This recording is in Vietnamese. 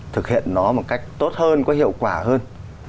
thực hiện nó một cách tốt hơn có hiệu quả hơn